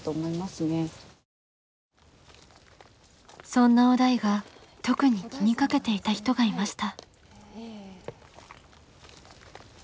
そんな於大が特に気にかけていた人がいました。